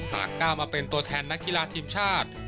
ก้าวมาเป็นตัวแทนนักกีฬาทีมชาติ